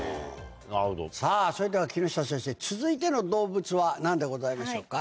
さあ、それでは木下先生、続いての動物はなんでございましょうか。